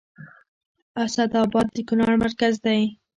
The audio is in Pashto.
اسداباد د کونړ مرکز دی